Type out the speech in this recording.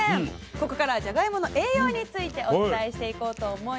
ここからはじゃがいもの栄養についてお伝えしていこうと思います。